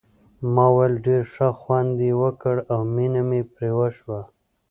ما وویل ډېر ښه خوند یې وکړ او مینه مې پرې وشوه.